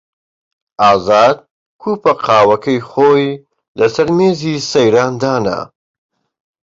ئازاد کووپە قاوەکەی خۆی لەسەر مێزی سەیران دانا.